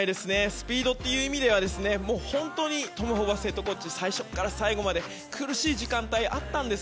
スピードという意味では本当にトム・ホーバスヘッドコーチ最初から最後まで苦しい時間帯があったんです。